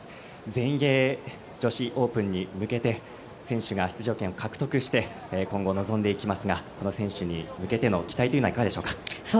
全英女子オープンに向けて選手が出場権を獲得して今後、望んでいきますが選手に向けての期待というのはいかがでしょう。